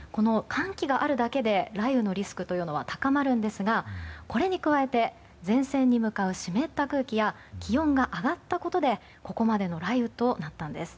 この寒気があるだけで雷雨のリスクというのは高まるんですがこれに加えて前線に向かう湿った空気や気温が上がったことでここまでの雷雨となったんです。